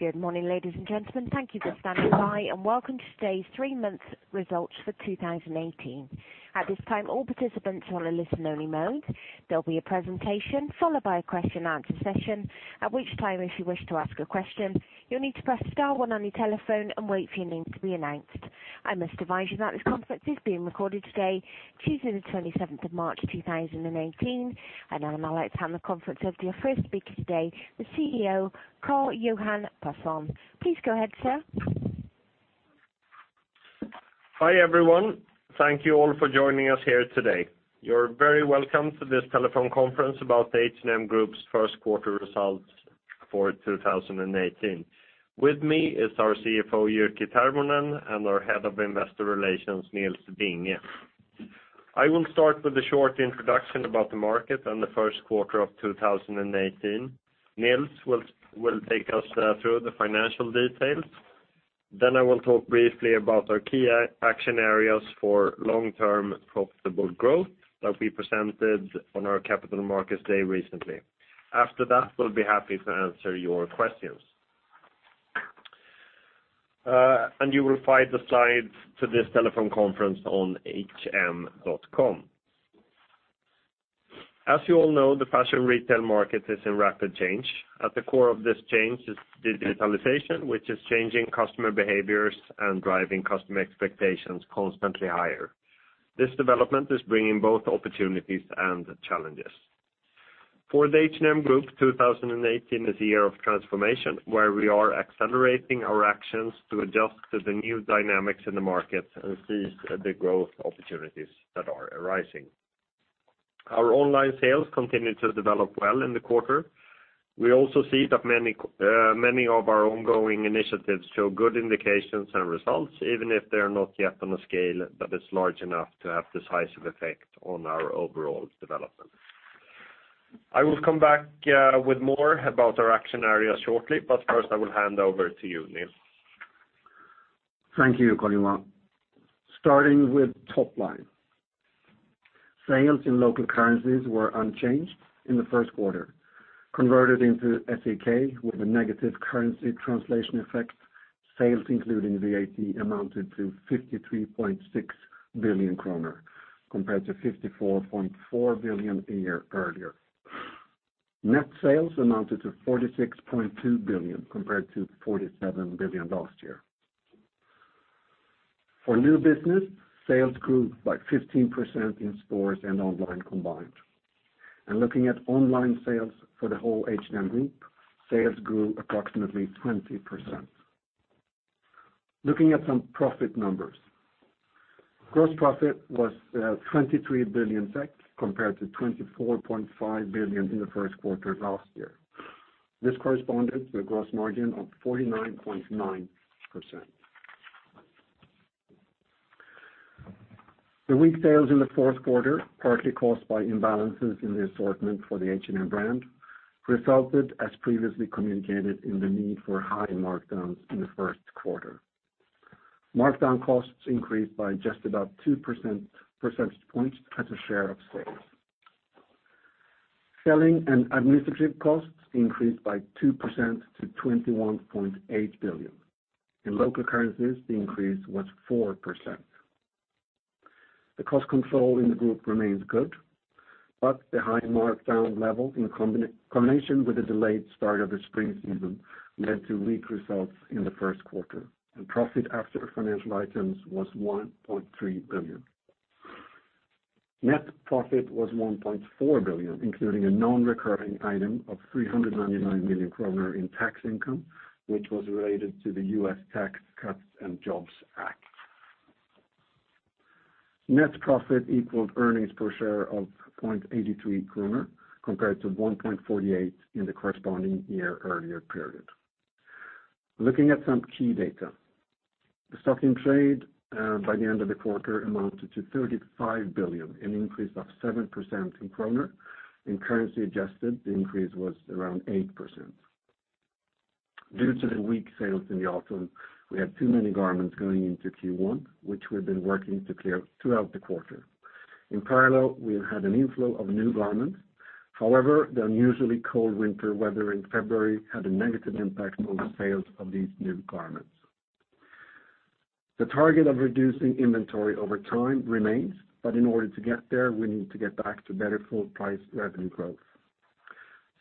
Good morning, ladies and gentlemen. Thank you for standing by, and welcome to today's 3-month results for 2018. At this time, all participants are on a listen-only mode. There will be a presentation followed by a question and answer session. At which time, if you wish to ask a question, you will need to press star one on your telephone and wait for your name to be announced. I must advise you that this conference is being recorded today, Tuesday, the 27th of March, 2018. I would like to hand the conference over to your first speaker today, the CEO, Karl-Johan Persson. Please go ahead, sir. Hi, everyone. Thank you all for joining us here today. You are very welcome to this telephone conference about H&M Group's first quarter results for 2018. With me is our CFO, Jyrki Tervonen, and our Head of Investor Relations, Nils Vinge. I will start with a short introduction about the market and the first quarter of 2018. Nils will take us through the financial details. Then I will talk briefly about our key action areas for long-term profitable growth that we presented on our Capital Markets Day recently. After that, we will be happy to answer your questions. You will find the slides to this telephone conference on hm.com. As you all know, the fashion retail market is in rapid change. At the core of this change is digitalization, which is changing customer behaviors and driving customer expectations constantly higher. This development is bringing both opportunities and challenges. For the H&M Group, 2018 is a year of transformation, where we are accelerating our actions to adjust to the new dynamics in the market and seize the growth opportunities that are arising. Our online sales continued to develop well in the quarter. We also see that many of our ongoing initiatives show good indications and results, even if they are not yet on a scale that is large enough to have decisive effect on our overall development. I will come back with more about our action areas shortly, but first, I will hand over to you, Nils. Thank you, Karl-Johan. Starting with top line. Sales in local currencies were unchanged in the first quarter. Converted into SEK with a negative currency translation effect, sales including VAT amounted to 53.6 billion kronor, compared to 54.4 billion SEK a year earlier. Net sales amounted to 46.2 billion SEK, compared to 47 billion SEK last year. For new business, sales grew by 15% in stores and online combined. Looking at online sales for the whole H&M Group, sales grew approximately 20%. Looking at some profit numbers. Gross profit was 23 billion SEK compared to 24.5 billion SEK in the first quarter of last year. This corresponded to a gross margin of 49.9%. The weak sales in the fourth quarter, partly caused by imbalances in the assortment for the H&M brand, resulted, as previously communicated, in the need for high markdowns in the first quarter. Markdown costs increased by just about two percentage points as a share of sales. Selling and administrative costs increased by 2% to 21.8 billion. In local currencies, the increase was 4%. The cost control in the group remains good, but the high markdown level in combination with a delayed start of the spring season led to weak results in the first quarter, and profit after financial items was 1.3 billion. Net profit was 1.4 billion, including a non-recurring item of 399 million kronor in tax income, which was related to the U.S. Tax Cuts and Jobs Act. Net profit equaled earnings per share of 0.83 kronor compared to 1.48 in the corresponding year earlier period. Looking at some key data. The stock in trade by the end of the quarter amounted to 35 billion, an increase of 7% in SEK. In currency adjusted, the increase was around 8%. Due to the weak sales in the autumn, we had too many garments going into Q1, which we've been working to clear throughout the quarter. In parallel, we have had an inflow of new garments. However, the unusually cold winter weather in February had a negative impact on the sales of these new garments. The target of reducing inventory over time remains, but in order to get there, we need to get back to better full price revenue growth.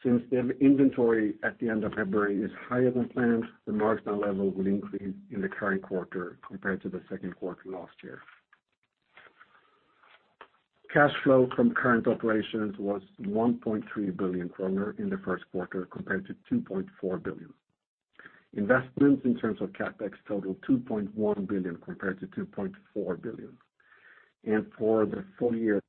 Since the inventory at the end of February is higher than planned, the markdown level will increase in the current quarter compared to the second quarter last year. Cash flow from current operations was 1.3 billion kronor in the first quarter, compared to 2.4 billion. Investments in terms of CapEx totaled 2.1 billion, compared to 2.4 billion. For the full year.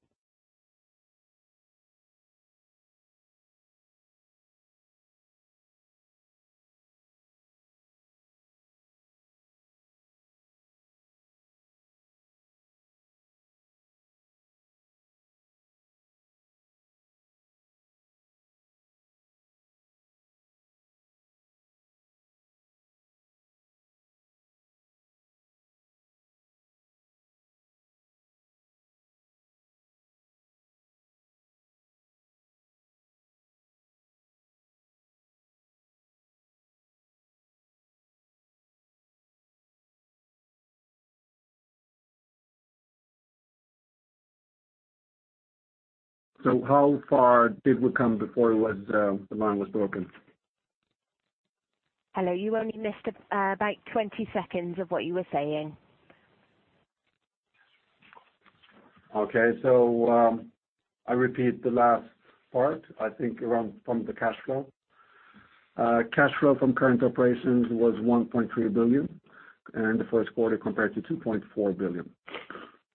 How far did we come before the line was broken? Hello, you only missed about 20 seconds of what you were saying. I repeat the last part, I think around from the cash flow. Cash flow from current operations was 1.3 billion in the first quarter, compared to 2.4 billion.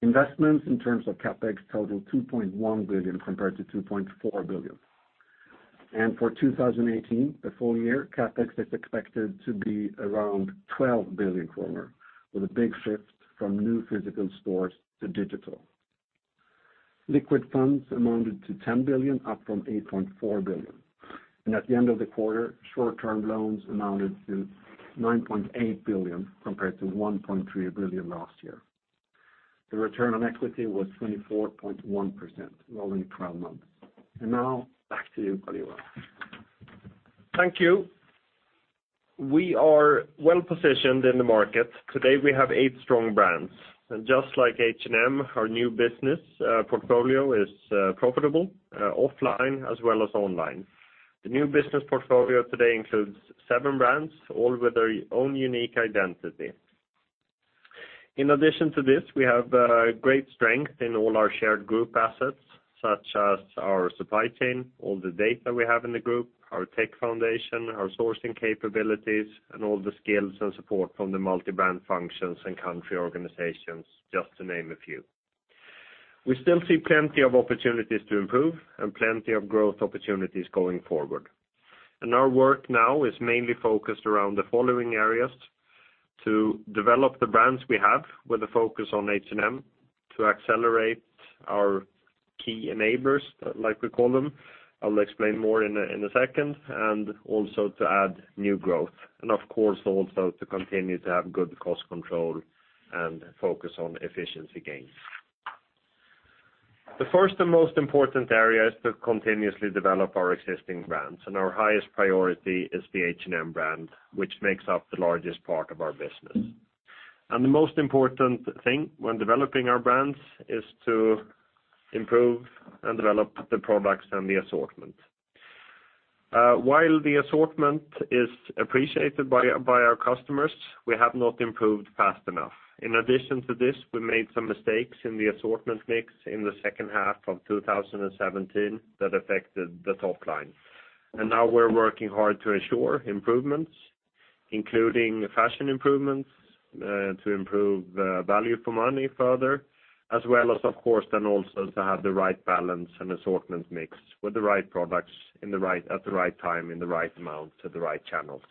Investments in terms of CapEx totaled 2.1 billion, compared to 2.4 billion. For 2018, the full year, CapEx is expected to be around 12 billion kronor, with a big shift from new physical stores to digital. Liquid funds amounted to 10 billion, up from 8.4 billion. At the end of the quarter, short-term loans amounted to 9.8 billion, compared to 1.3 billion last year. The return on equity was 24.1% rolling 12 months. Now, back to you, Karl-Johan. Thank you. We are well positioned in the market. Today, we have eight strong brands. Just like H&M, our new business portfolio is profitable offline as well as online. The new business portfolio today includes seven brands, all with their own unique identity. In addition to this, we have great strength in all our shared Group assets, such as our supply chain, all the data we have in the Group, our tech foundation, our sourcing capabilities, and all the skills and support from the multi-brand functions and country organizations, just to name a few. We still see plenty of opportunities to improve and plenty of growth opportunities going forward. Our work now is mainly focused around the following areas: to develop the brands we have, with a focus on H&M, to accelerate our key enablers, like we call them, I'll explain more in a second, and also to add new growth. Of course, also to continue to have good cost control and focus on efficiency gains. The first and most important area is to continuously develop our existing brands, and our highest priority is the H&M brand, which makes up the largest part of our business. The most important thing when developing our brands is to improve and develop the products and the assortment. While the assortment is appreciated by our customers, we have not improved fast enough. In addition to this, we made some mistakes in the assortment mix in the second half of 2017 that affected the top line. Now we're working hard to ensure improvements, including fashion improvements, to improve value for money further, as well as, of course, then also to have the right balance and assortment mix with the right products at the right time, in the right amount to the right channels.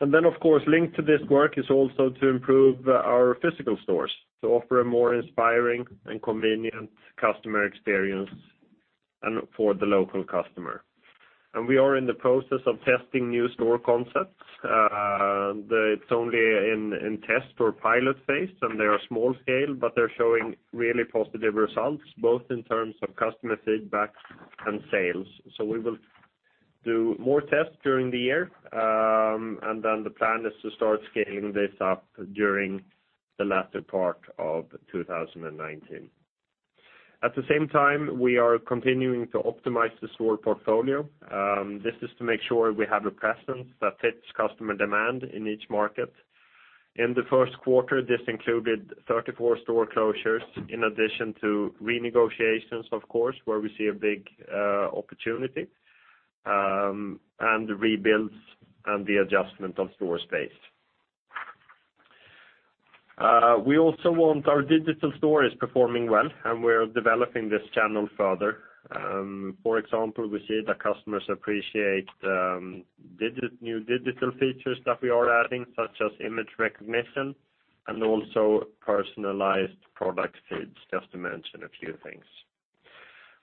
Then, of course, linked to this work is also to improve our physical stores to offer a more inspiring and convenient customer experience for the local customer. We are in the process of testing new store concepts. It's only in test or pilot phase, and they are small scale, but they're showing really positive results, both in terms of customer feedback and sales. So we will do more tests during the year, and then the plan is to start scaling this up during the latter part of 2019. At the same time, we are continuing to optimize the store portfolio. This is to make sure we have a presence that fits customer demand in each market. In the first quarter, this included 34 store closures, in addition to renegotiations, of course, where we see a big opportunity, and rebuilds and the adjustment of store space. We also want our digital stores performing well, we're developing this channel further. For example, we see that customers appreciate new digital features that we are adding, such as image recognition and also personalized product feeds, just to mention a few things.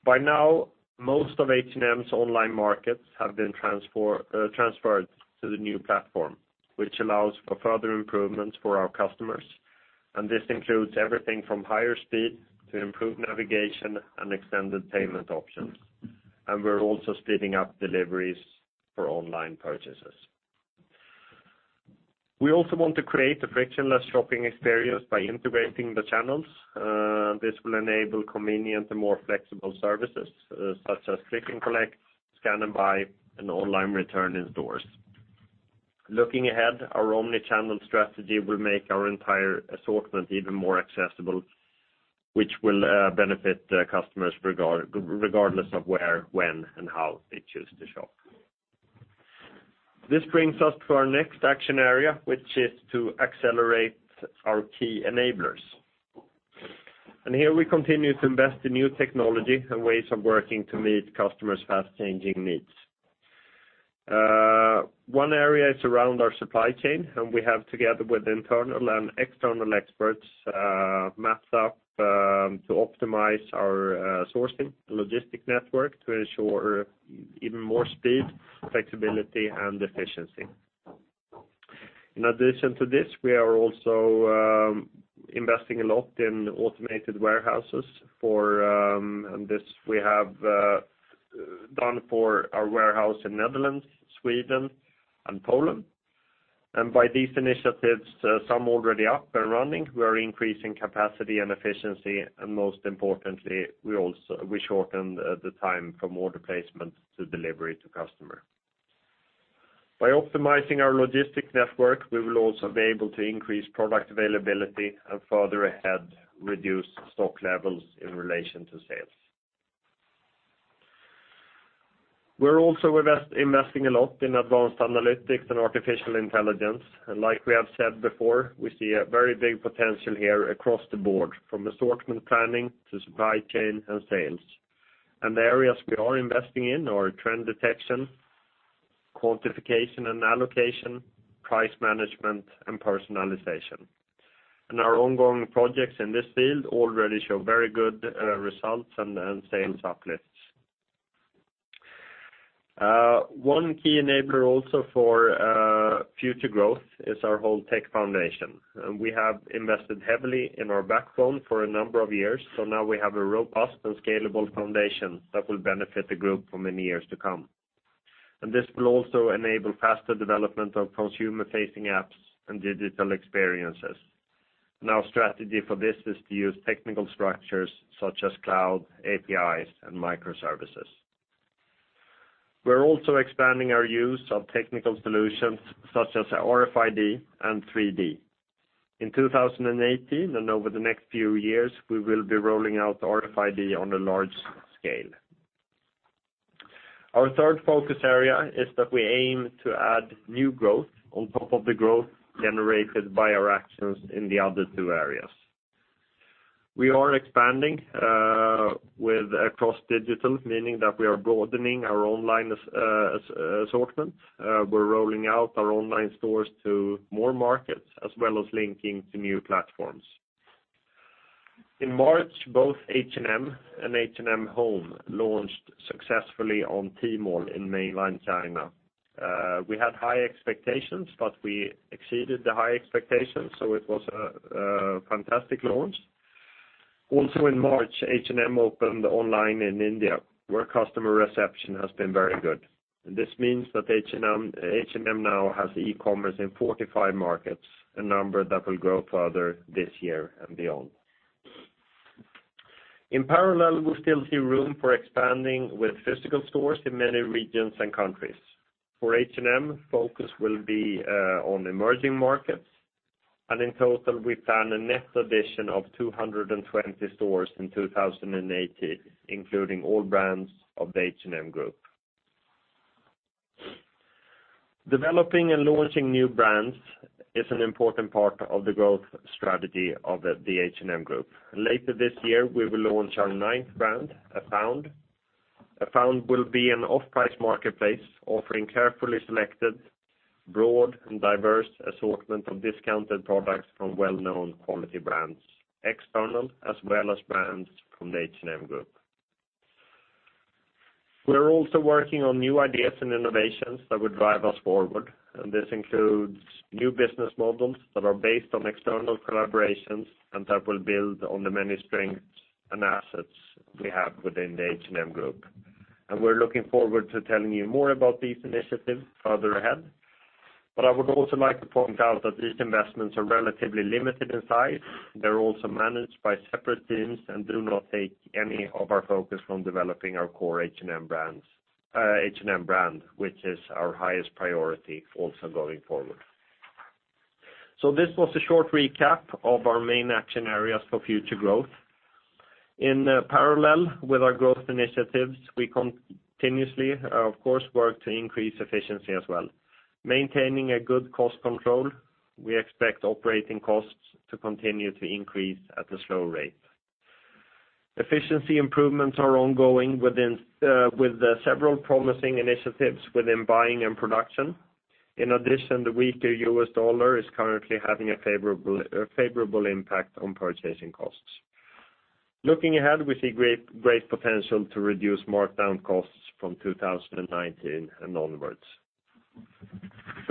By now, most of H&M's online markets have been transferred to the new platform, which allows for further improvements for our customers. This includes everything from higher speed to improved navigation and extended payment options. We're also speeding up deliveries for online purchases. We also want to create a frictionless shopping experience by integrating the channels. This will enable convenient and more flexible services such as click and collect, scan and buy, and online return in stores. Looking ahead, our omni-channel strategy will make our entire assortment even more accessible, which will benefit customers regardless of where, when, and how they choose to shop. This brings us to our next action area, which is to accelerate our key enablers. Here we continue to invest in new technology and ways of working to meet customers' fast-changing needs. One area is around our supply chain, and we have, together with internal and external experts, mapped up to optimize our sourcing logistics network to ensure even more speed, flexibility, and efficiency. In addition to this, we are also investing a lot in automated warehouses. This we have done for our warehouse in Netherlands, Sweden, and Poland. By these initiatives, some already up and running, we are increasing capacity and efficiency, and most importantly, we shortened the time from order placement to delivery to customer. By optimizing our logistic network, we will also be able to increase product availability and further ahead reduce stock levels in relation to sales. We're also investing a lot in advanced analytics and artificial intelligence. Like we have said before, we see a very big potential here across the board, from assortment planning to supply chain and sales. The areas we are investing in are trend detection, quantification and allocation, price management, and personalization. Our ongoing projects in this field already show very good results and sales uplifts. One key enabler also for future growth is our whole tech foundation. We have invested heavily in our backbone for a number of years. Now we have a robust and scalable foundation that will benefit the group for many years to come. This will also enable faster development of consumer-facing apps and digital experiences. Our strategy for this is to use technical structures such as cloud, APIs, and microservices. We're also expanding our use of technical solutions such as RFID and 3D. In 2018 and over the next few years, we will be rolling out RFID on a large scale. Our third focus area is that we aim to add new growth on top of the growth generated by our actions in the other two areas. We are expanding across digital, meaning that we are broadening our online assortment. We're rolling out our online stores to more markets, as well as linking to new platforms. In March, both H&M and H&M Home launched successfully on Tmall in mainland China. We had high expectations, but we exceeded the high expectations, so it was a fantastic launch. Also in March, H&M opened online in India, where customer reception has been very good. This means that H&M now has e-commerce in 45 markets, a number that will grow further this year and beyond. In parallel, we still see room for expanding with physical stores in many regions and countries. For H&M, focus will be on emerging markets, and in total, we plan a net addition of 220 stores in 2018, including all brands of the H&M Group. Developing and launching new brands is an important part of the growth strategy of the H&M Group. Later this year, we will launch our ninth brand, Afound. Afound will be an off-price marketplace offering carefully selected, broad, and diverse assortment of discounted products from well-known quality brands, external as well as brands from the H&M Group. We're also working on new ideas and innovations that will drive us forward, and this includes new business models that are based on external collaborations and that will build on the many strengths and assets we have within the H&M Group. We're looking forward to telling you more about these initiatives further ahead. I would also like to point out that these investments are relatively limited in size. They're also managed by separate teams and do not take any of our focus from developing our core H&M brand, which is our highest priority also going forward. This was a short recap of our main action areas for future growth. In parallel with our growth initiatives, we continuously, of course, work to increase efficiency as well. Maintaining a good cost control, we expect operating costs to continue to increase at a slow rate. Efficiency improvements are ongoing with several promising initiatives within buying and production. In addition, the weaker US dollar is currently having a favorable impact on purchasing costs. Looking ahead, we see great potential to reduce markdown costs from 2019 and onwards.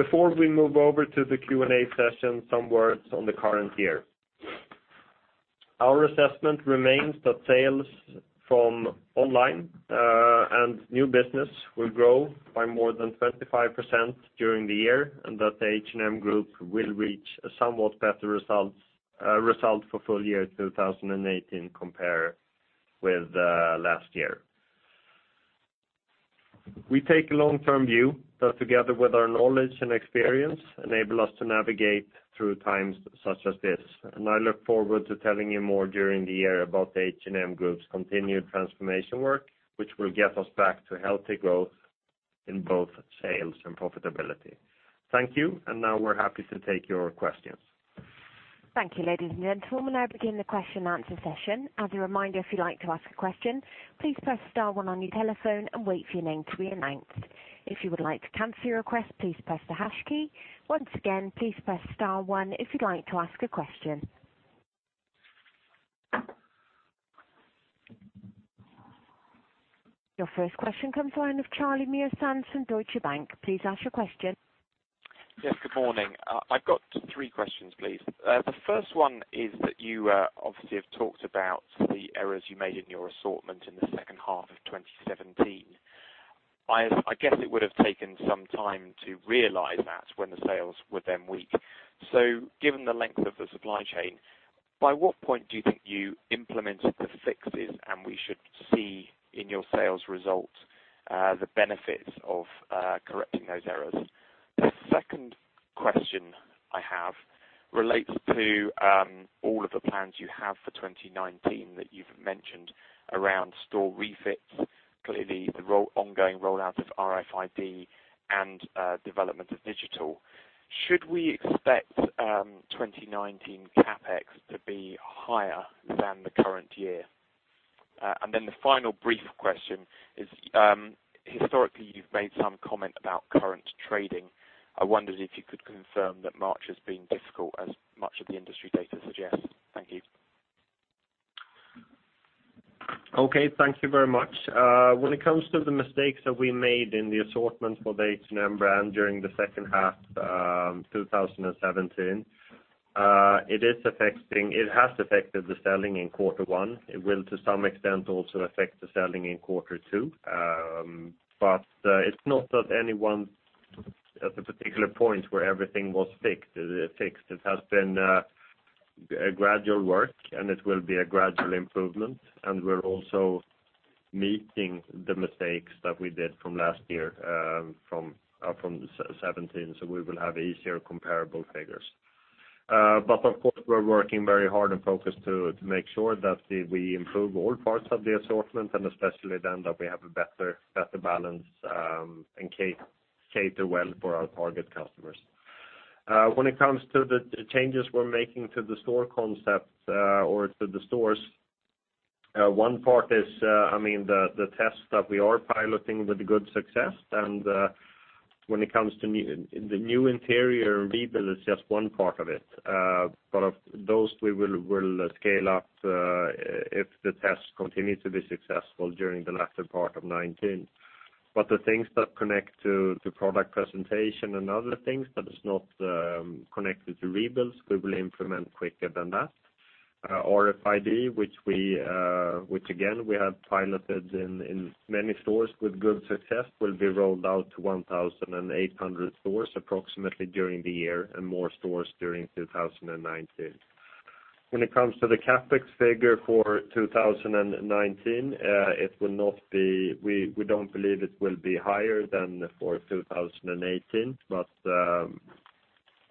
Before we move over to the Q&A session, some words on the current year. Our assessment remains that sales from online and new business will grow by more than 25% during the year, and that the H&M Group will reach a somewhat better result for full year 2018 compared with last year. We take a long-term view that together with our knowledge and experience, enable us to navigate through times such as this. I look forward to telling you more during the year about the H&M Group's continued transformation work, which will get us back to healthy growth in both sales and profitability. Thank you. Now we're happy to take your questions. Thank you, ladies and gentlemen. We'll now begin the question and answer session. As a reminder, if you'd like to ask a question, please press star one on your telephone and wait for your name to be announced. If you would like to cancel your request, please press the hash key. Once again, please press star one if you'd like to ask a question. Your first question comes the line of Charlie Miresons from Deutsche Bank. Please ask your question. Yes, good morning. I've got three questions, please. The first one is that you obviously have talked about the errors you made in your assortment in the second half of 2017. I guess it would have taken some time to realize that when the sales were then weak. Given the length of the supply chain, by what point do you think you implemented the fixes, and we should see in your sales results, the benefits of correcting those errors? The second question I have relates to all of the plans you have for 2019 that you've mentioned around store refits. Clearly, the ongoing rollout of RFID and development of digital. Should we expect 2019 CapEx to be higher than the current year? The final brief question is, historically, you've made some comment about current trading. I wondered if you could confirm that March has been difficult as much of the industry data suggests. Thank you. Okay, thank you very much. When it comes to the mistakes that we made in the assortment for the H&M brand during the second half of 2017, it has affected the selling in quarter one. It will, to some extent, also affect the selling in quarter two. It's not that any one at a particular point where everything was fixed. It has been a gradual work, and it will be a gradual improvement. We're also meeting the mistakes that we did from last year, from 2017. We will have easier comparable figures. Of course, we're working very hard and focused to make sure that we improve all parts of the assortment, and especially then that we have a better balance and cater well for our target customers. When it comes to the changes we're making to the store concept, or to the stores, one part is the test that we are piloting with good success. When it comes to the new interior rebuild, it's just one part of it. Of those, we will scale up if the tests continue to be successful during the latter part of 2019. The things that connect to product presentation and other things that is not connected to rebuilds, we will implement quicker than that. RFID, which again, we have piloted in many stores with good success, will be rolled out to 1,800 stores approximately during the year, and more stores during 2019. When it comes to the CapEx figure for 2019, we don't believe it will be higher than for 2018, but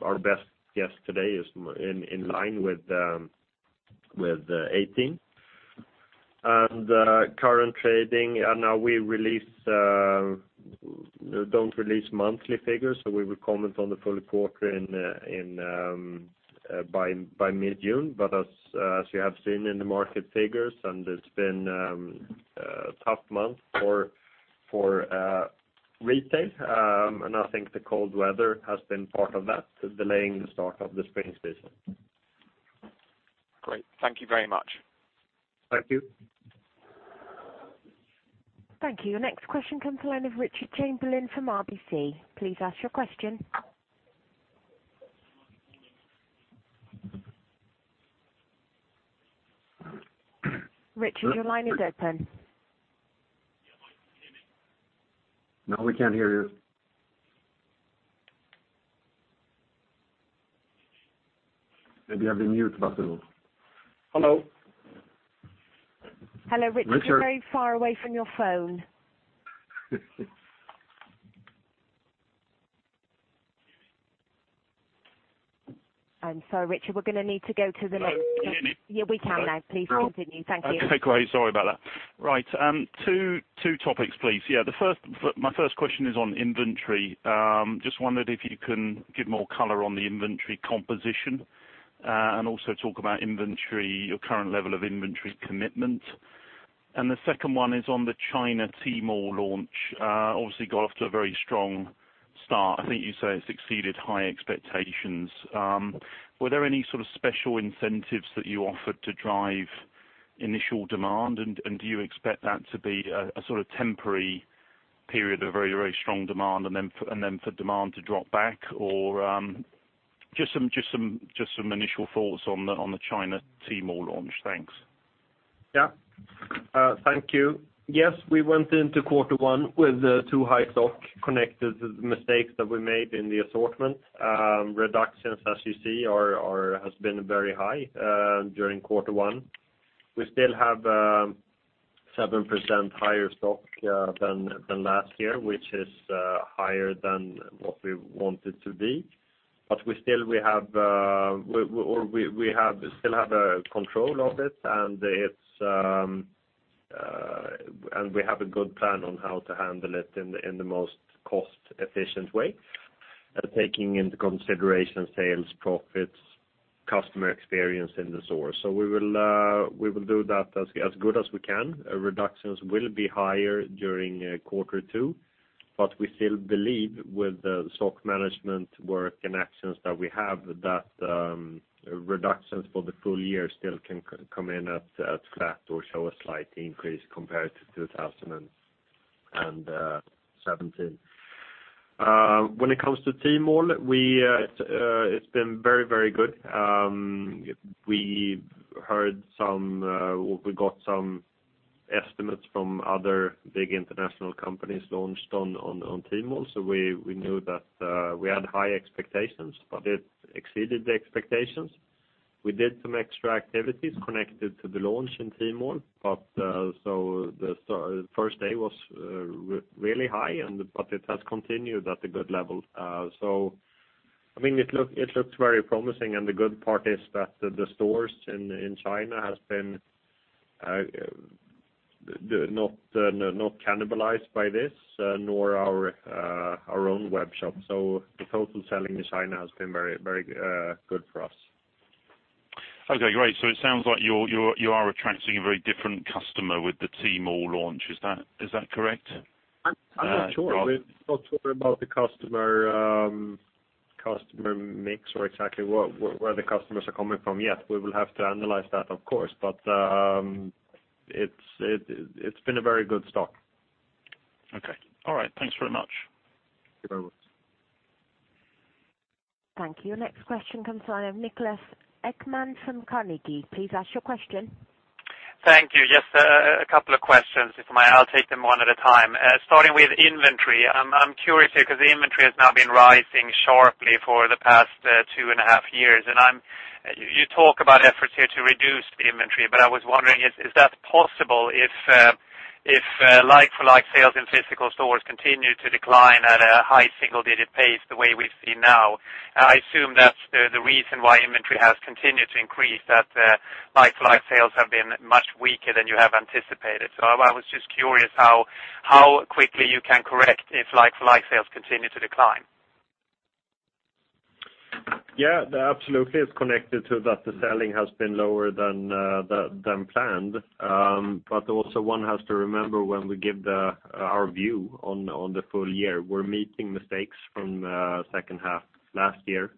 our best guess today is in line with 2018. Current trading, we don't release monthly figures, so we will comment on the full quarter by mid-June. As you have seen in the market figures, it's been a tough month for retail. I think the cold weather has been part of that, delaying the start of the spring season. Great. Thank you very much. Thank you. Thank you. Your next question comes the line of Richard Chamberlain from RBC. Please ask your question. Richard, your line is open. No, we can't hear you. Maybe you have been muted by someone. Hello? Hello, Richard. Richard. You're very far away from your phone. I'm sorry, Richard, we're going to need to go to the next- Hello, can you hear me? Yeah, we can now. Please continue. Thank you. Okay, great. Sorry about that. Right. Two topics, please. Yeah, my first question is on inventory. Just wondered if you can give more color on the inventory composition, and also talk about your current level of inventory commitment. The second one is on the China Tmall launch. Obviously got off to a very strong start. I think you say it's exceeded high expectations. Were there any sort of special incentives that you offered to drive initial demand? Do you expect that to be a sort of temporary period of very, very strong demand, and then for demand to drop back? Just some initial thoughts on the China Tmall launch. Thanks. Yeah. Thank you. Yes, we went into quarter one with too-high stock connected to the mistakes that we made in the assortment. Reductions, as you see, has been very high during quarter one. We still have 7% higher stock than last year, which is higher than what we wanted to be. We still have control of it, and we have a good plan on how to handle it in the most cost-efficient way, taking into consideration sales, profits, customer experience in the stores. We will do that as good as we can. Reductions will be higher during quarter two. We still believe with the stock management work and actions that we have, that reductions for the full year still can come in at flat or show a slight increase compared to 2017. When it comes to Tmall, it's been very good. We got some estimates from other big international companies launched on Tmall. We knew that we had high expectations, but it exceeded the expectations. We did some extra activities connected to the launch in Tmall. The first day was really high, but it has continued at a good level. It looks very promising, and the good part is that the stores in China has been not cannibalized by this, nor our own web shop. The total selling in China has been very good for us. Okay, great. It sounds like you are attracting a very different customer with the Tmall launch. Is that correct? I'm not sure. We've not talked about the customer mix or exactly where the customers are coming from yet. We will have to analyze that, of course, but it's been a very good start. Okay. All right. Thanks very much. You're very welcome. Thank you. Next question comes from Niklas Ekman from Carnegie. Please ask your question. Thank you. Just a couple of questions, if I may. I'll take them one at a time. Starting with inventory. I'm curious here because the inventory has now been rising sharply for the past two and a half years. You talk about efforts here to reduce inventory, but I was wondering, is that possible if like-for-like sales in physical stores continue to decline at a high single-digit pace the way we see now? I assume that's the reason why inventory has continued to increase, that like-for-like sales have been much weaker than you have anticipated. I was just curious how quickly you can correct if like-for-like sales continue to decline. That absolutely is connected to that the selling has been lower than planned. Also one has to remember when we give our view on the full year, we're making mistakes from the second half last year.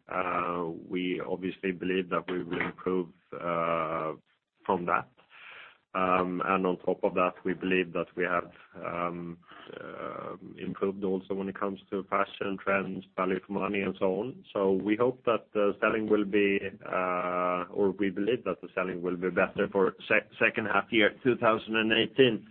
We obviously believe that we will improve from that. On top of that, we believe that we have improved also when it comes to fashion trends, value for money and so on. We believe that the selling will be better for second half year 2018.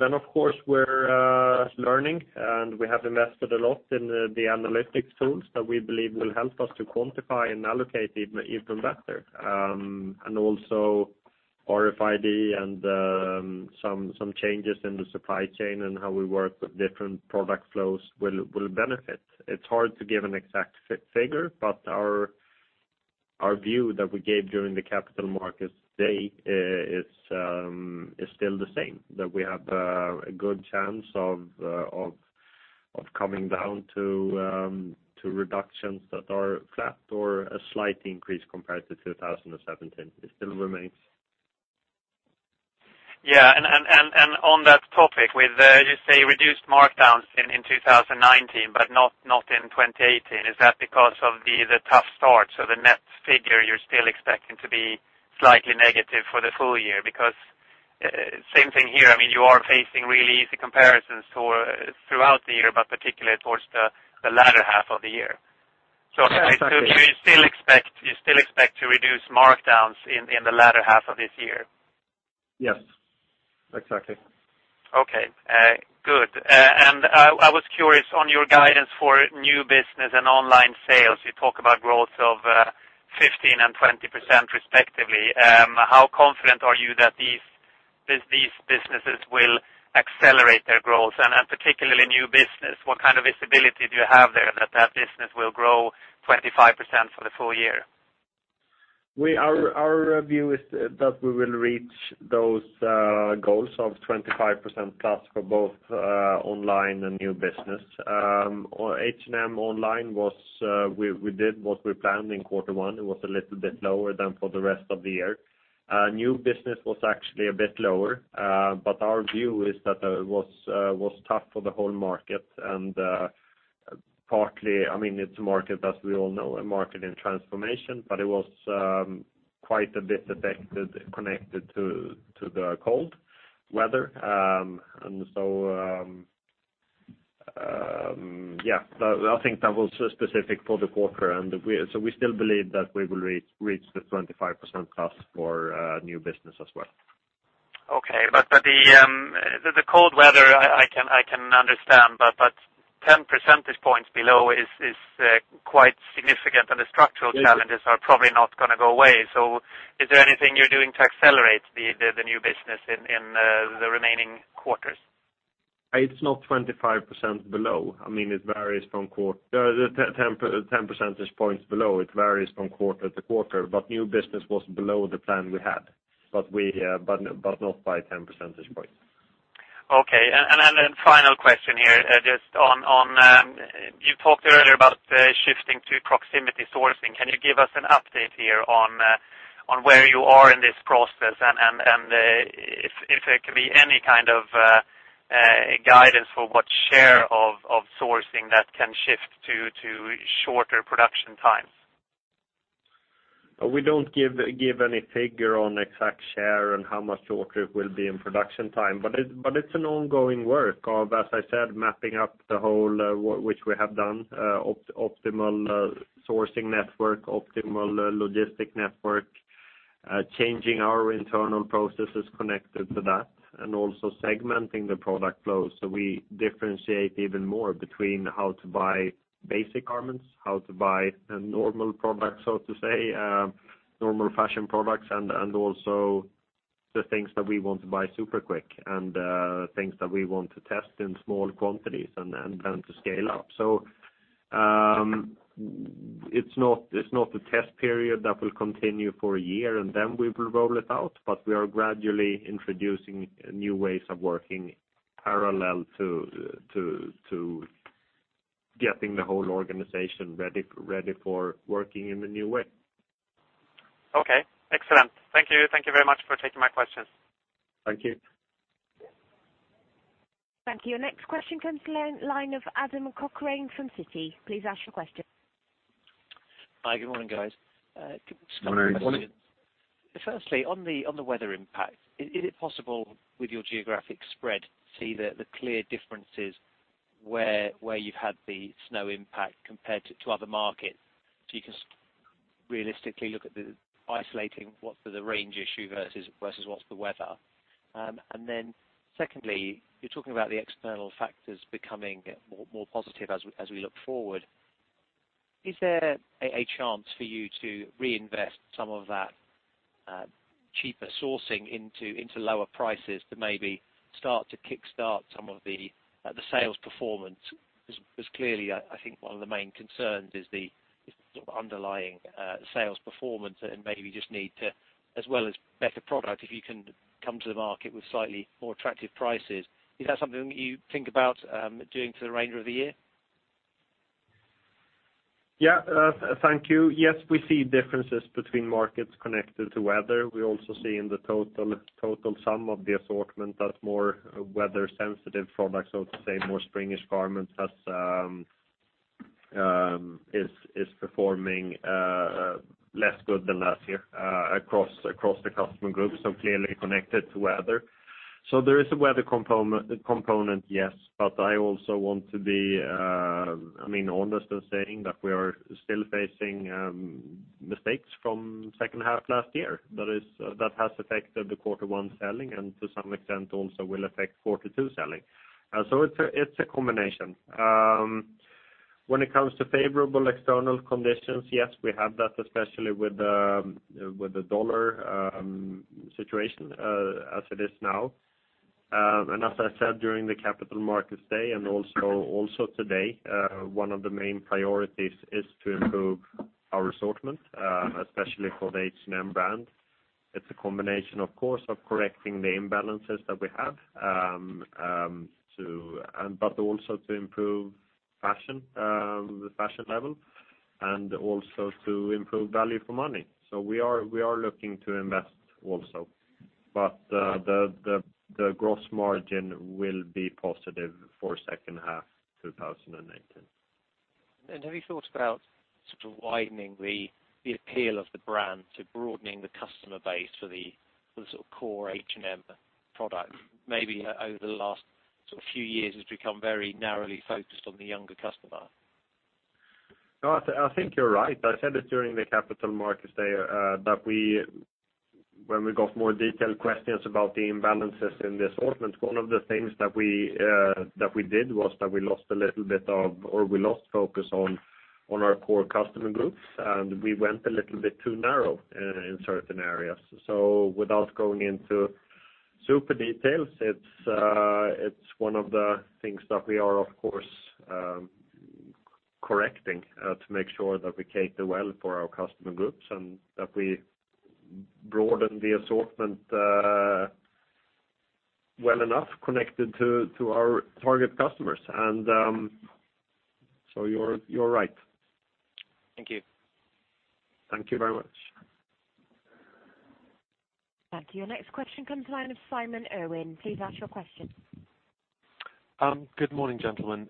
Then, of course, we're learning, and we have invested a lot in the analytics tools that we believe will help us to quantify and allocate even better. Also RFID and some changes in the supply chain and how we work with different product flows will benefit. It's hard to give an exact figure, but our view that we gave during the Capital Markets Day is still the same. That we have a good chance of coming down to reductions that are flat or a slight increase compared to 2017. It still remains. On that topic, with, you say, reduced markdowns in 2019 but not in 2018, is that because of the tough start? The net figure, you're still expecting to be slightly negative for the full year. Same thing here, you are facing really easy comparisons throughout the year, but particularly towards the latter half of the year. Yes, exactly. You still expect to reduce markdowns in the latter half of this year? Yes. Exactly. Okay, good. I was curious on your guidance for new business and online sales. You talk about growth of 15% and 20% respectively. How confident are you that these businesses will accelerate their growth? Particularly new business, what kind of visibility do you have there that that business will grow 25% for the full year? Our view is that we will reach those goals of 25% plus for both online and new business. H&M Online, we did what we planned in quarter one. It was a little bit lower than for the rest of the year. New business was actually a bit lower. Our view is that it was tough for the whole market, and partly it's a market, as we all know, a market in transformation, but it was quite a bit affected connected to the cold weather. I think that was specific for the quarter. We still believe that we will reach the 25% plus for new business as well. The cold weather, I can understand, 10 percentage points below is quite significant, and the structural challenges are probably not going to go away. Is there anything you're doing to accelerate the new business in the remaining quarters? It's not 25% below. The 10 percentage points below, it varies from quarter to quarter, new business was below the plan we had, but not by 10 percentage points. Final question here, you talked earlier about shifting to proximity sourcing. Can you give us an update here on where you are in this process, and if there can be any kind of guidance for what share of sourcing that can shift to shorter production times. We don't give any figure on exact share and how much shorter it will be in production time, it's an ongoing work of, as I said, mapping up the whole, which we have done, optimal sourcing network, optimal logistic network, changing our internal processes connected to that, and also segmenting the product flow so we differentiate even more between how to buy basic garments, how to buy a normal product, so to say, normal fashion products, and also the things that we want to buy super quick and things that we want to test in small quantities and then to scale up. It's not the test period that will continue for a year and then we will roll it out, but we are gradually introducing new ways of working parallel to getting the whole organization ready for working in the new way. Okay, excellent. Thank you. Thank you very much for taking my questions. Thank you. Thank you. Next question comes line of Adam Cochrane from Citi. Please ask your question. Hi, good morning, guys. Good morning. Firstly, on the weather impact, is it possible with your geographic spread to see the clear differences where you've had the snow impact compared to other markets? You can realistically look at isolating what the range issue versus what is the weather? Secondly, you're talking about the external factors becoming more positive as we look forward. Is there a chance for you to reinvest some of that cheaper sourcing into lower prices to maybe start to kickstart some of the sales performance? Clearly, I think one of the main concerns is the underlying sales performance and maybe you just need to, as well as better product, if you can come to the market with slightly more attractive prices. Is that something that you think about doing for the remainder of the year? Yeah. Thank you. Yes, we see differences between markets connected to weather. We also see in the total sum of the assortment that more weather sensitive products, so to say, more spring-ish garments is performing less good than last year across the customer groups, so clearly connected to weather. There is a weather component, yes. I also want to be honest and saying that we are still facing mistakes from second half last year. That has affected the quarter one selling and to some extent, also will affect quarter two selling. It is a combination. When it comes to favorable external conditions, yes, we have that, especially with the U.S. dollar situation as it is now. As I said during the Capital Markets Day and also today, one of the main priorities is to improve our assortment, especially for the H&M brand. It is a combination, of course, of correcting the imbalances that we have but also to improve the fashion level and also to improve value for money. We are looking to invest also. The gross margin will be positive for second half 2018. Have you thought about widening the appeal of the brand to broadening the customer base for the core H&M product? Maybe over the last few years, it's become very narrowly focused on the younger customer. No, I think you're right. I said it during the Capital Markets Day, that when we got more detailed questions about the imbalances in the assortment, one of the things that we did was that we lost focus on our core customer groups, and we went a little bit too narrow in certain areas. Without going into super details, it's one of the things that we are, of course, correcting to make sure that we cater well for our customer groups and that we broaden the assortment well enough connected to our target customers. You're right. Thank you. Thank you very much. Thank you. Next question comes the line of Simon Irwin. Please ask your question. Good morning, gentlemen.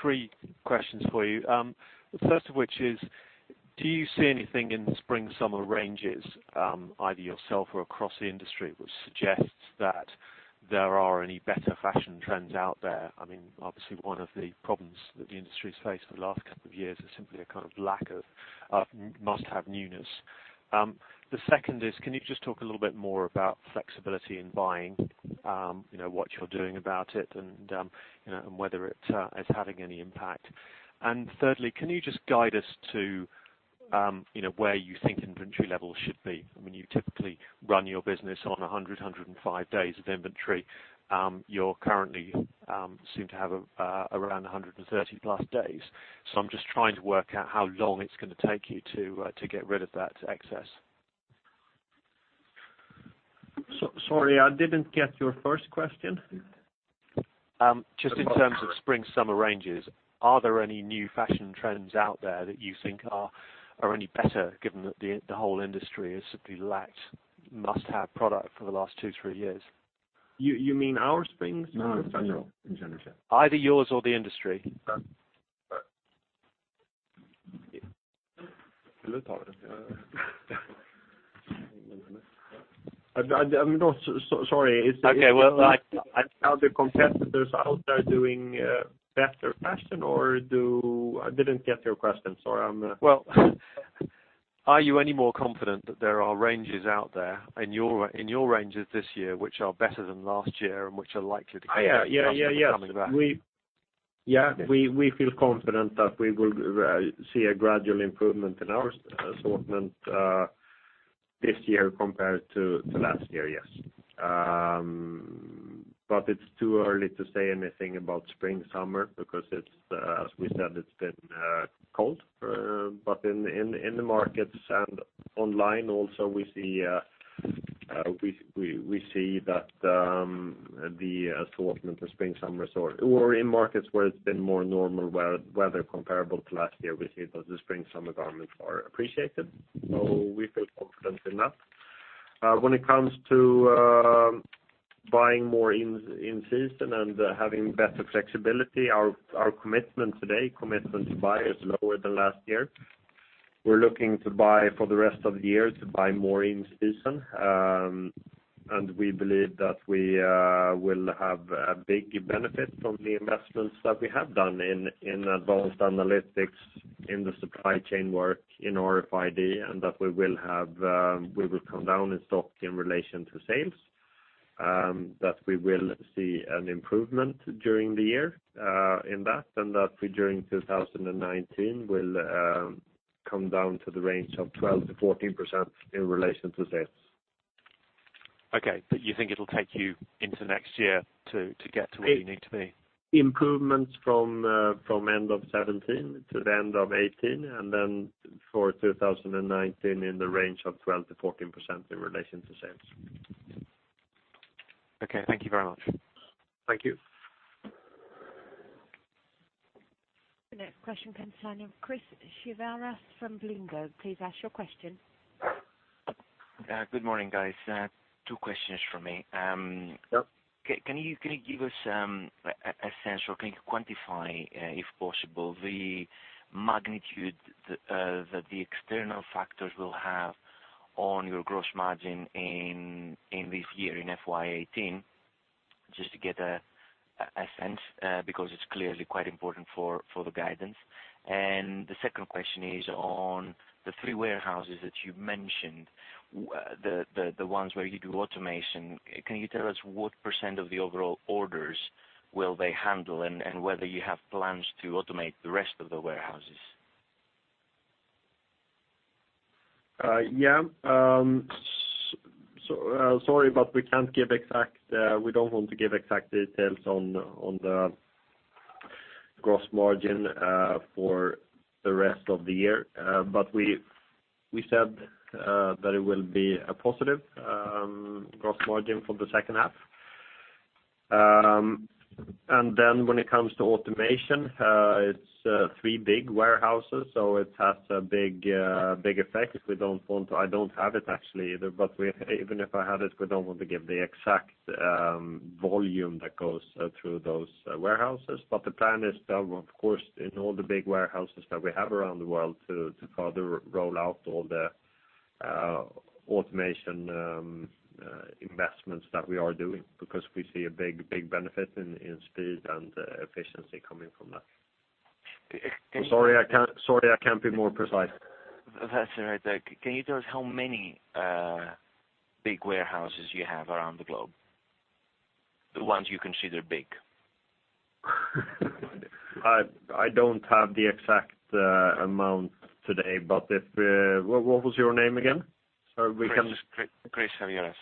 Three questions for you. The first of which is, do you see anything in the spring-summer ranges, either yourself or across the industry, which suggests that there are any better fashion trends out there? Obviously, one of the problems that the industry has faced for the last couple of years is simply a kind of lack of must-have newness. The second is, can you just talk a little bit more about flexibility in buying, what you're doing about it and whether it's having any impact. Thirdly, can you just guide us to where you think inventory levels should be? You typically run your business on 100, 105 days of inventory. You currently seem to have around 130-plus days. I'm just trying to work out how long it's going to take you to get rid of that excess. Sorry, I didn't get your first question. Just in terms of spring-summer ranges, are there any new fashion trends out there that you think are any better, given that the whole industry has simply lacked must-have product for the last two, three years? You mean our spring summer collection? No, in general. Either yours or the industry. Sorry. Okay. Are the competitors out there doing better fashion, or do I didn't get your question? Sorry. Well, are you any more confident that there are ranges out there, in your ranges this year, which are better than last year and which are likely- Yeah. ...come back? Yeah. We feel confident that we will see a gradual improvement in our assortment this year compared to last year, yes. It's too early to say anything about spring-summer because as we said, it's been cold. In the markets and online also, we see that the assortment for spring-summer or in markets where it's been more normal weather comparable to last year, we see that the spring-summer garments are appreciated. We feel confident in that. When it comes to buying more in-season and having better flexibility, our commitment today, commitment to buy is lower than last year. We are looking to buy for the rest of the year, to buy more in-season. We believe that we will have a big benefit from the investments that we have done in advanced analytics, in the supply chain work, in RFID, and that we will come down in stock in relation to sales, that we will see an improvement during the year in that, and that during 2019, we will come down to the range of 12%-14% in relation to sales. Okay. You think it'll take you into next year to get to where you need to be? Improvements from end of 2017 to the end of 2018, then for 2019, in the range of 12%-14% in relation to sales. Okay. Thank you very much. Thank you. The next question comes in from Chris Siveras from Bloomberg. Please ask your question. Good morning, guys. Two questions from me. Sure. Can you give us some sense or can you quantify, if possible, the magnitude that the external factors will have on your gross margin in this year, in FY 2018, just to get a sense, because it's clearly quite important for the guidance. The second question is on the three warehouses that you mentioned, the ones where you do automation. Can you tell us what% of the overall orders will they handle, and whether you have plans to automate the rest of the warehouses? Yeah. Sorry. We don't want to give exact details on the gross margin for the rest of the year. We said that it will be a positive gross margin for the second half. When it comes to automation, it's three big warehouses, so it has a big effect. I don't have it actually either, but even if I had it, we don't want to give the exact volume that goes through those warehouses. The plan is, of course, in all the big warehouses that we have around the world to further roll out all the automation investments that we are doing, because we see a big benefit in speed and efficiency coming from that. Sorry I can't be more precise. That's all right. Can you tell us how many big warehouses you have around the globe? The ones you consider big. I don't have the exact amount today, but if What was your name again? Chris Siveras.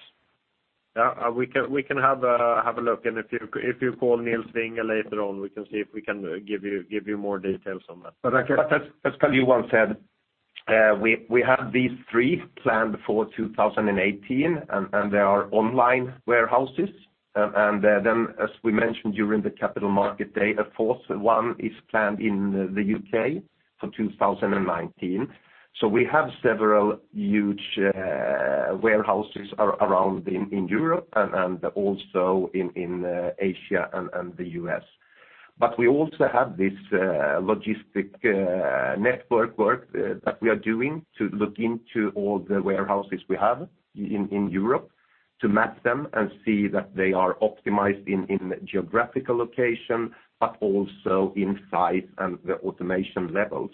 Yeah. We can have a look, and if you call Nils Vinge later on, we can see if we can give you more details on that. As Karl-Johan said, we have these three planned for 2018. They are online warehouses. As we mentioned during the capital market day, a fourth one is planned in the U.K. for 2019. We have several huge warehouses around in Europe and also in Asia and the U.S. We also have this logistic network work that we are doing to look into all the warehouses we have in Europe to map them and see that they are optimized in geographical location, but also in size and the automation levels.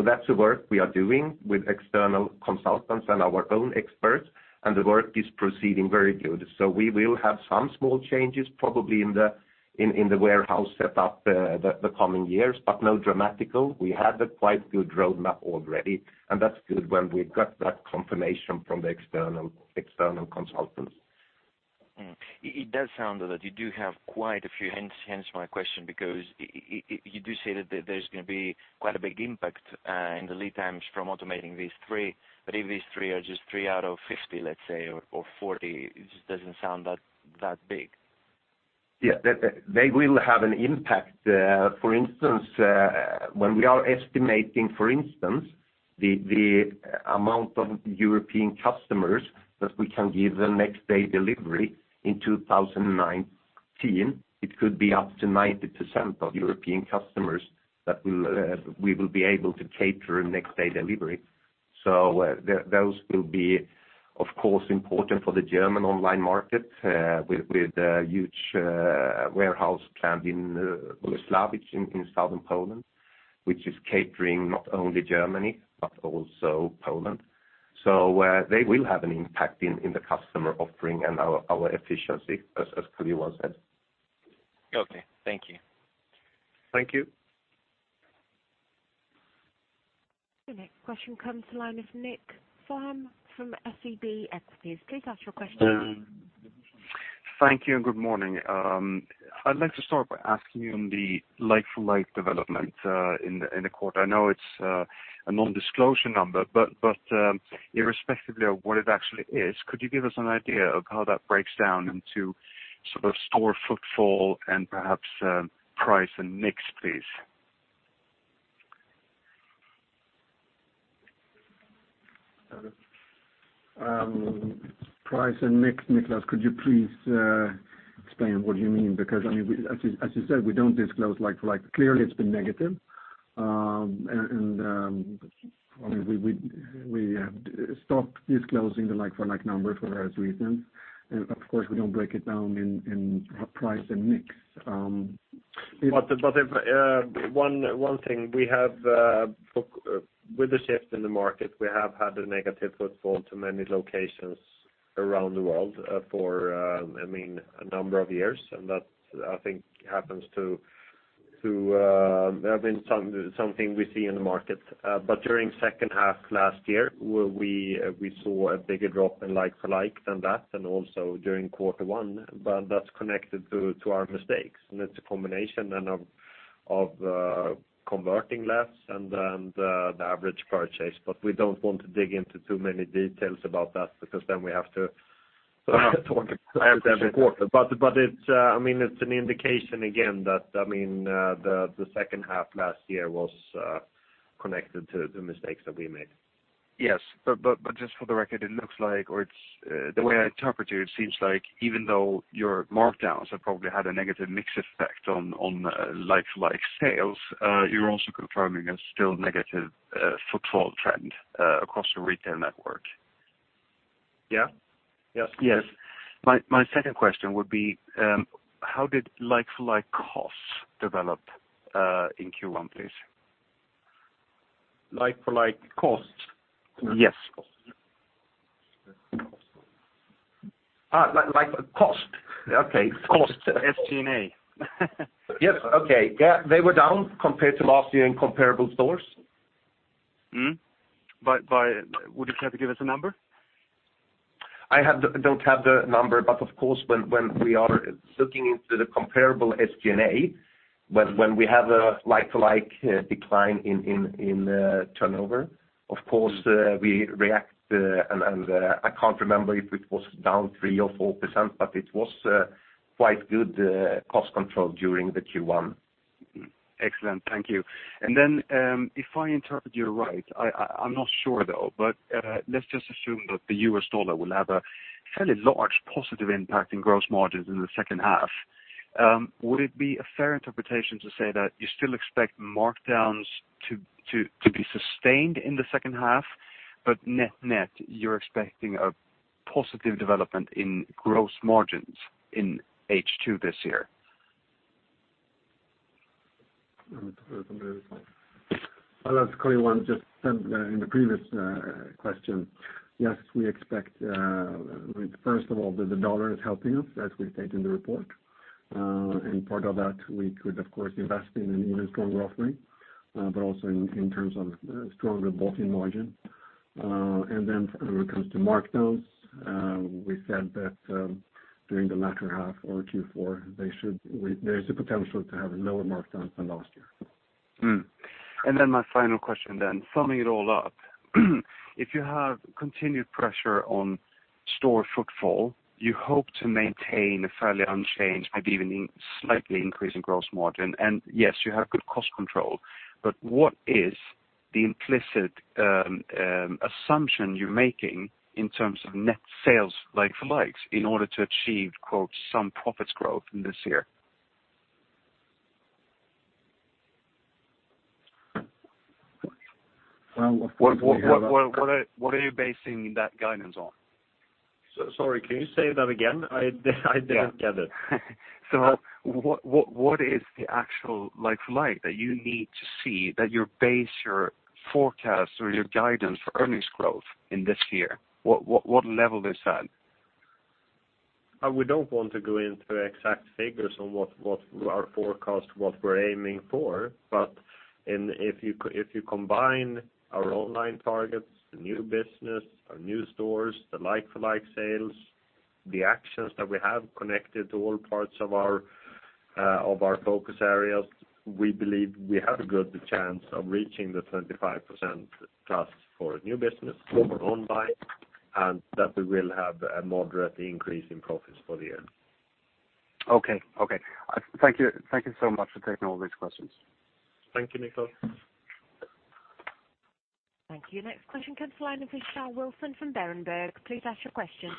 That's the work we are doing with external consultants and our own experts, and the work is proceeding very good. We will have some small changes probably in the warehouse setup the coming years, but no dramatical. We have a quite good roadmap already. That's good when we got that confirmation from the external consultants. It does sound that you do have quite a few hints. Hence my question. You do say that there's going to be quite a big impact in the lead times from automating these three. If these three are just three out of 50, let's say, or 40, it just doesn't sound that big. They will have an impact. For instance, when we are estimating the amount of European customers that we can give the next day delivery in 2019, it could be up to 90% of European customers that we will be able to cater next day delivery. Those will be, of course, important for the German online market with a huge warehouse planned in Wrocław in southern Poland, which is catering not only Germany but also Poland. They will have an impact in the customer offering and our efficiency, as Karl-Johan said. Okay, thank you. Thank you. The next question comes to line with Nick Farm from SEB Enskilda. Please ask your question. Thank you. Good morning. I'd like to start by asking you on the like-for-like development in the quarter. I know it's a non-disclosure number, but irrespectively of what it actually is, could you give us an idea of how that breaks down into sort of store footfall and perhaps price and mix, please? Price and mix, Niklas, could you please explain what you mean? As you said, we don't disclose like-for-like. Clearly, it's been negative, and we have stopped disclosing the like-for-like number for various reasons. Of course, we don't break it down in price and mix. One thing, with the shift in the market, we have had a negative footfall to many locations around the world for a number of years, and that I think happens to have been something we see in the market. During second half last year, we saw a bigger drop in like-for-like than that and also during quarter one, that's connected to our mistakes, and it's a combination of converting less and the average purchase. We don't want to dig into too many details about that, because then we have to talk about every quarter. It's an indication again that the second half last year was connected to the mistakes that we made. Yes. Just for the record, it looks like, or the way I interpret you, it seems like even though your markdowns have probably had a negative mix effect on like-for-like sales, you're also confirming a still negative footfall trend across the retail network. Yeah. Yes. My second question would be, how did like-for-like costs develop in Q1, please? Like-for-like costs? Yes. Like cost. Okay. Cost. SG&A. Yes. Okay. They were down compared to last year in comparable stores. Would you care to give us a number? I don't have the number, but of course, when we are looking into the comparable SG&A, when we have a like-for-like decline in turnover, of course, we react. I can't remember if it was down 3% or 4%, but it was quite good cost control during the Q1. Excellent. Thank you. If I interpret you right, I'm not sure, though, but let's just assume that the U.S. dollar will have a fairly large positive impact in gross margins in the second half. Would it be a fair interpretation to say that you still expect markdowns to be sustained in the second half, but net net, you're expecting a positive development in gross margins in H2 this year? Well, as Karl-Johan just said in the previous question, yes, we expect, first of all, that the U.S. dollar is helping us as we state in the report. In part of that, we could, of course, invest in an even stronger offering, but also in terms of stronger bottom margin. When it comes to markdowns, we said that during the latter half or Q4 there is the potential to have lower markdowns than last year. My final question then, summing it all up. If you have continued pressure on store footfall, you hope to maintain a fairly unchanged, maybe even slightly increase in gross margin. Yes, you have good cost control, but what is the implicit assumption you're making in terms of net sales like-for-likes in order to achieve "some profits growth" this year? Well- What are you basing that guidance on? Sorry, can you say that again? I didn't get it. What is the actual like-for-like that you need to see that you base your forecast or your guidance for earnings growth in this year? What level is that? We don't want to go into exact figures on what our forecast, what we're aiming for. If you combine our online targets, the new business, our new stores, the like-for-like sales, the actions that we have connected to all parts of our focus areas, we believe we have a good chance of reaching the 35% trust for new business, global online, and that we will have a moderate increase in profits for the year. Okay. Thank you so much for taking all these questions. Thank you, Nick. Thank you. Next question comes to line of Michelle Wilson from Berenberg. Please ask your question.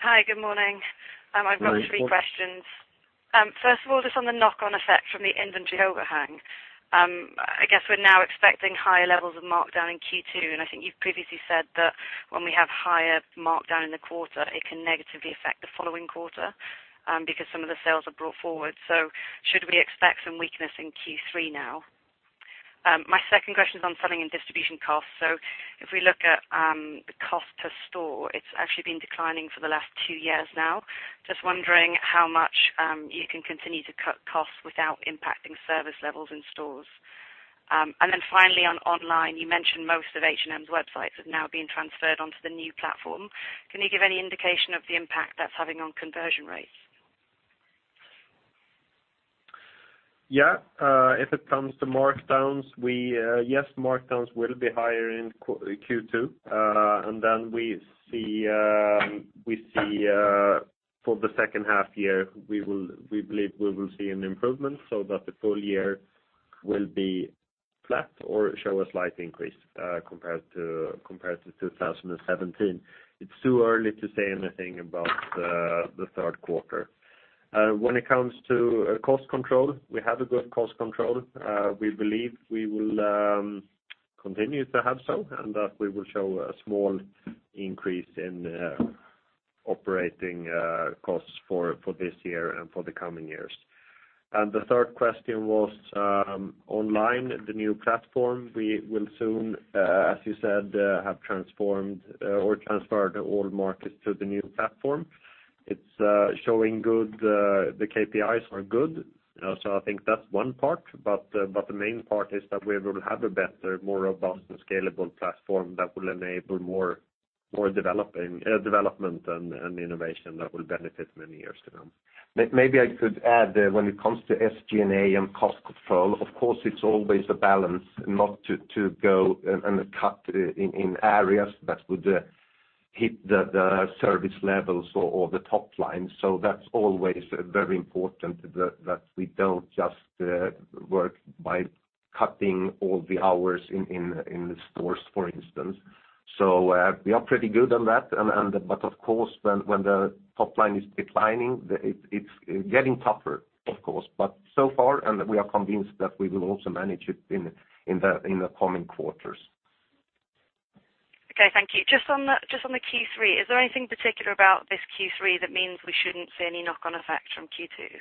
Hi. Good morning. I've got three questions. First of all, just on the knock-on effect from the inventory overhang, I guess we're now expecting higher levels of markdown in Q2, and I think you've previously said that when we have higher markdown in the quarter, it can negatively affect the following quarter because some of the sales are brought forward. Should we expect some weakness in Q3 now? My second question is on selling and distribution costs. If we look at the cost per store, it's actually been declining for the last two years now. Just wondering how much you can continue to cut costs without impacting service levels in stores. Finally, on online, you mentioned most of H&M's websites have now been transferred onto the new platform. Can you give any indication of the impact that's having on conversion rates? Yeah. If it comes to markdowns, yes, markdowns will be higher in Q2. Then we see for the second half year, we believe we will see an improvement so that the full year will be flat or show a slight increase, compared to 2017. It's too early to say anything about the third quarter. When it comes to cost control, we have a good cost control. We believe we will continue to have so, and that we will show a small increase in operating costs for this year and for the coming years. The third question was, online, the new platform. We will soon, as you said, have transformed or transferred all markets to the new platform. It's showing good, the KPIs are good. I think that's one part, but the main part is that we will have a better, more robust and scalable platform that will enable more development and innovation that will benefit many years to come. Maybe I could add, when it comes to SG&A and cost control, of course, it's always a balance not to go and cut in areas that would hit the service levels or the top line. That's always very important that we don't just work by cutting all the hours in the stores, for instance. We are pretty good on that. Of course, when the top line is declining, it's getting tougher, of course. So far, and we are convinced that we will also manage it in the coming quarters. Okay, thank you. Just on the Q3, is there anything particular about this Q3 that means we shouldn't see any knock-on effect from Q2?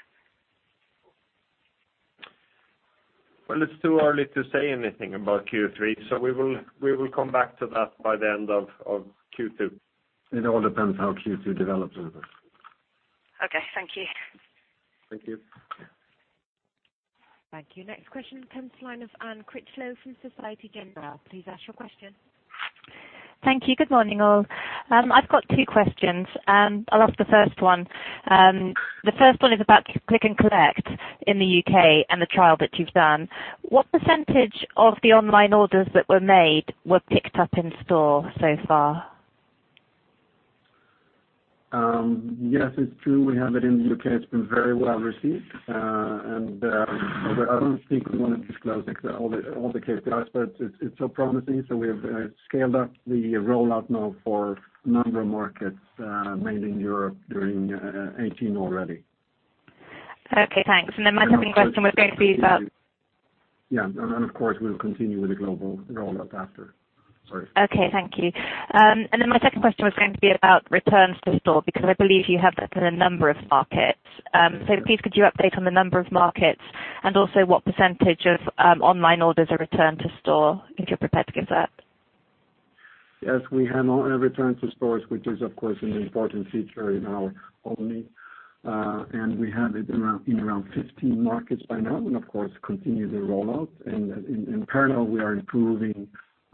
Well, it's too early to say anything about Q3, so we will come back to that by the end of Q2. It all depends how Q2 develops, really. Okay. Thank you. Thank you. Thank you. Next question comes to line of Anne Critchlow from Societe Generale. Please ask your question. Thank you. Good morning, all. I've got two questions. I'll ask the first one. The first one is about click and collect in the U.K. and the trial that you've done. What % of the online orders that were made were picked up in store so far? Yes, it's true. We have it in the U.K. It's been very well received. Although I don't think we want to disclose all the KPIs, but it's promising, so we have scaled up the rollout now for a number of markets made in Europe during 2018 already. Okay, thanks. Then my second question was going to be about. Yeah. Of course, we'll continue with the global rollout after. Sorry. Okay, thank you. My second question was going to be about returns to store, because I believe you have that in a number of markets. Please could you update on the number of markets and also what percentage of online orders are returned to store, if you're prepared to give that? Yes, we have returns to stores, which is, of course, an important feature in our offering. We have it in around 15 markets by now, and of course, continue the rollout. In parallel, we are improving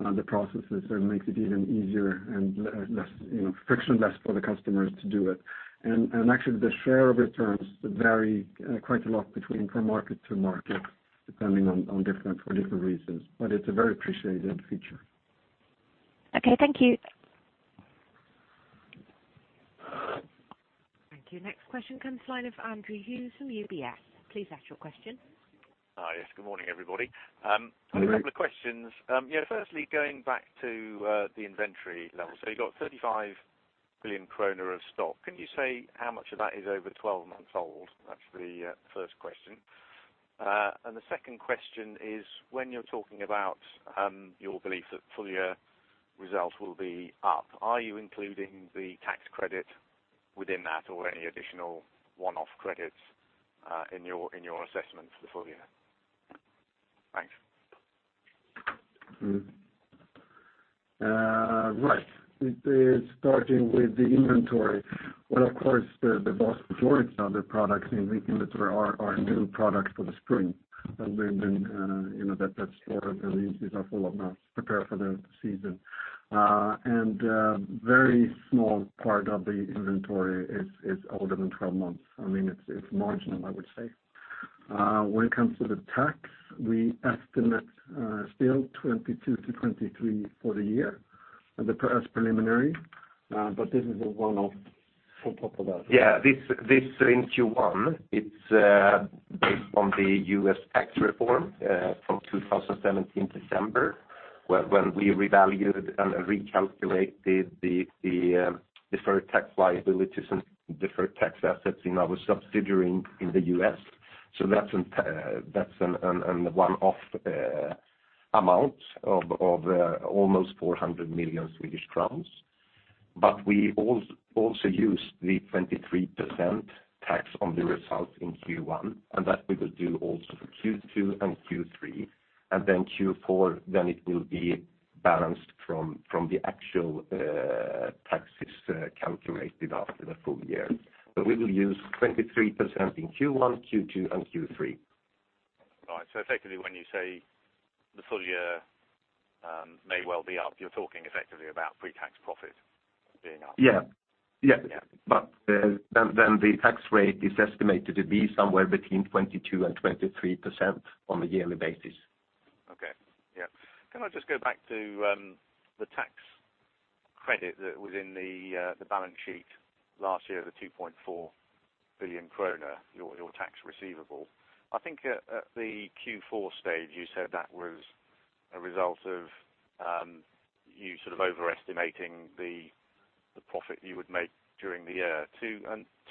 the processes and make it even easier and frictionless for the customers to do it. Actually, the share of returns vary quite a lot from market to market, depending on different reasons. It's a very appreciated feature. Okay, thank you. Thank you. Next question comes to line of Andrew Hughes from UBS. Please ask your question. Hi, yes. Good morning, everybody. Good morning. I have a couple of questions. Firstly, going back to the inventory level. You got 35 billion kronor of stock. Can you say how much of that is over 12 months old? That's the first question. The second question is, when you're talking about your belief that full year results will be up, are you including the tax credit within that or any additional one-off credits, in your assessment for the full year? Thanks. Right. Starting with the inventory. Well, of course, the vast majority of the products in the inventory are new products for the spring As we've been in a bit that store releases are full up now, prepare for the season. Very small part of the inventory is older than 12 months. It's marginal, I would say. When it comes to the tax, we estimate still 22%-23% for the year as preliminary. This is a one-off for popular. Yeah, this in Q1, it's based on the U.S. tax reform, from December 2017, when we revalued and recalculated the deferred tax liabilities and deferred tax assets in our subsidiary in the U.S. That's a one-off amount of almost 400 million Swedish crowns. We also use the 23% tax on the results in Q1, and that we will do also for Q2 and Q3. Q4, it will be balanced from the actual taxes calculated after the full year. We will use 23% in Q1, Q2, and Q3. Right. Effectively, when you say the full year may well be up, you're talking effectively about pre-tax profit being up? Yeah. Yeah. The tax rate is estimated to be somewhere between 22% and 23% on a yearly basis. Okay. Yeah. Can I just go back to the tax credit that was in the balance sheet last year, the 2.4 billion kronor, your tax receivable. I think at the Q4 stage, you said that was a result of you sort of overestimating the profit you would make during the year. To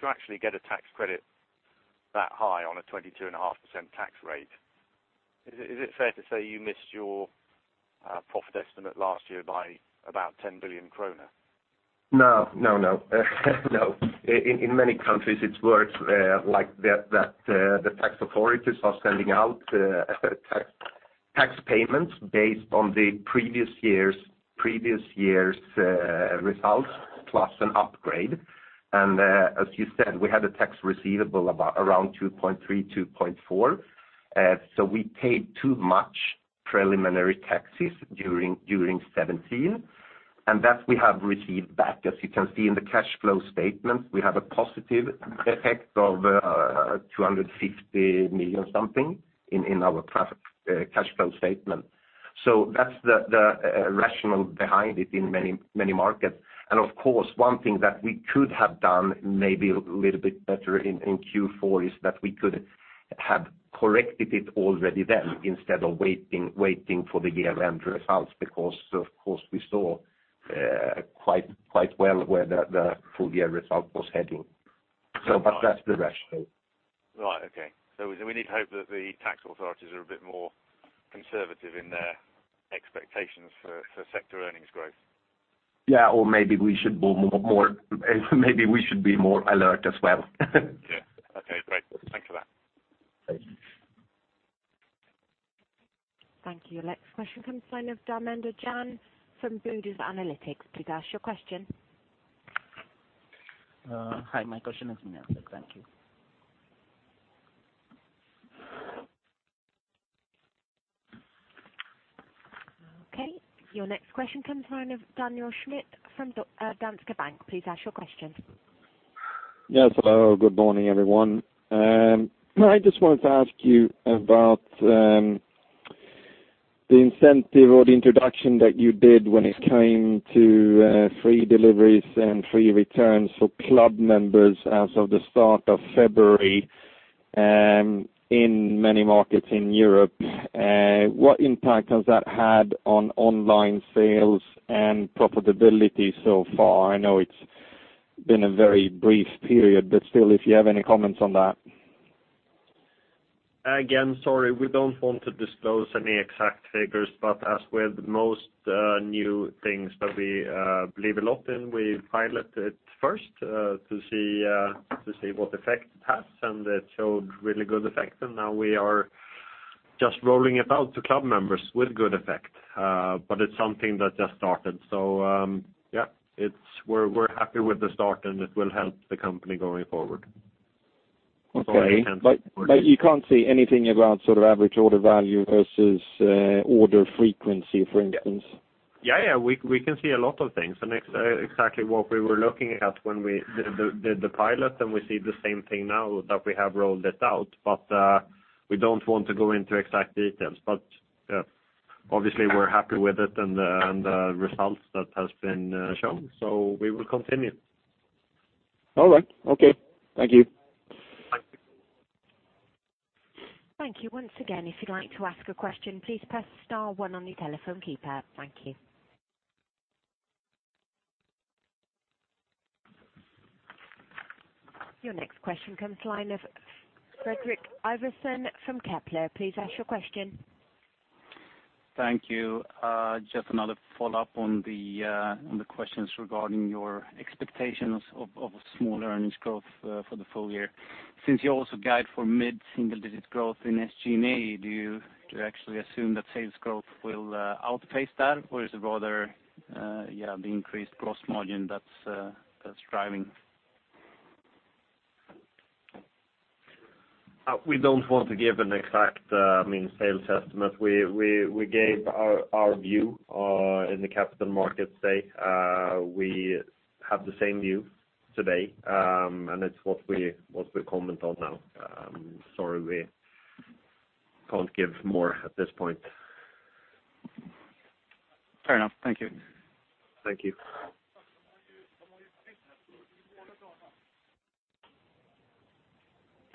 actually get a tax credit that high on a 22.5% tax rate, is it fair to say you missed your profit estimate last year by about 10 billion kronor? No. In many countries, it works like that, the tax authorities are sending out tax payments based on the previous year's results plus an upgrade. As you said, we had a tax receivable of around 2.3, 2.4. We paid too much preliminary taxes during 2017, and that we have received back. As you can see in the cash flow statement, we have a positive effect of 250 million something in our cash flow statement. That's the rationale behind it in many markets. Of course, one thing that we could have done maybe a little bit better in Q4 is that we could have corrected it already then, instead of waiting for the year-end results, because of course we saw quite well where the full-year result was heading. That's the rationale. Right. Okay. We need to hope that the tax authorities are a bit more conservative in their expectations for sector earnings growth. Yeah, or maybe we should be more alert as well. Yeah. Okay, great. Thank you for that. Thank you. Thank you. Next question comes line of Darmender Jan from Vanda Analytics. Please ask your question. Hi. My question has been answered. Thank you. Okay. Your next question comes line of Daniel Schmidt from Danske Bank. Please ask your question. Yes. Hello. Good morning, everyone. I just wanted to ask you about the incentive or the introduction that you did when it came to free deliveries and free returns for club members as of the start of February, in many markets in Europe. What impact has that had on online sales and profitability so far? I know it's been a very brief period, but still, if you have any comments on that. Again, sorry, we don't want to disclose any exact figures. As with most new things that we believe a lot in, we pilot it first to see what effect it has, and it showed really good effect, and now we are just rolling it out to club members with good effect. It's something that just started. Yeah, we're happy with the start, and it will help the company going forward. Okay. Sorry, I can't. You can't say anything about sort of average order value versus order frequency, for instance? Yeah. We can see a lot of things, exactly what we were looking at when we did the pilot, and we see the same thing now that we have rolled it out. We don't want to go into exact details. Yeah, obviously we're happy with it and the results that has been shown. We will continue. All right. Okay. Thank you. Thank you. Thank you. Once again, if you'd like to ask a question, please press star one on your telephone keypad. Thank you. Your next question comes line of Fredrik Ivarsson from Kepler. Please ask your question. Thank you. Just another follow-up on the questions regarding your expectations of a small earnings growth for the full year. Since you also guide for mid-single digit growth in SG&A, do you actually assume that sales growth will outpace that, or is it rather the increased gross margin that's driving? We don't want to give an exact mean sales estimate. We gave our view in the Capital Markets Day. We have the same view today. It's what we comment on now. Sorry, we can't give more at this point. Fair enough. Thank you. Thank you.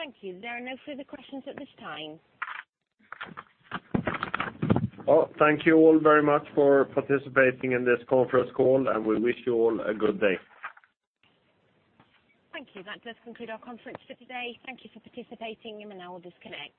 Thank you. There are no further questions at this time. Well, thank you all very much for participating in this conference call, and we wish you all a good day. Thank you. That does conclude our conference for today. Thank you for participating, and now I'll disconnect.